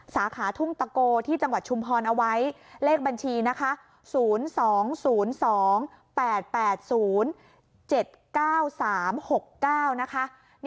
สาขาทุ่มตะโกที่จังหวัดชุมพรเอาไว้เลขบัญชีนะคะ